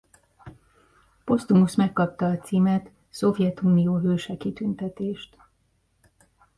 Posztumusz megkapta a címet Szovjetunió Hőse kitüntetést.